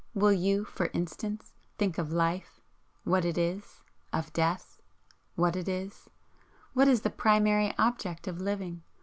Will you, for instance, think of Life? What is it? Of Death? What is it? What is the primary object of Living?